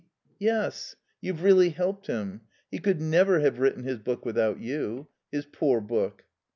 "Yes. You've really helped him. He could never have written his book without you. His poor book."